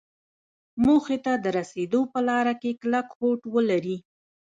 موخې ته د رسېدو په لاره کې کلک هوډ ولري.